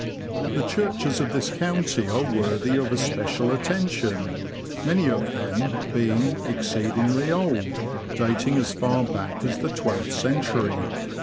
The churches of this county are worthy of especial attention, many of them being exceedingly old, dating as far back as the twelfth century.